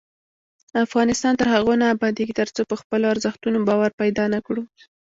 افغانستان تر هغو نه ابادیږي، ترڅو په خپلو ارزښتونو باور پیدا نکړو.